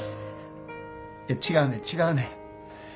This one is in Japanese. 違うねん違うねん。